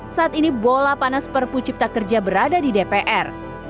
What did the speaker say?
saat ini bola panas perpu cipta kerja berada di dpr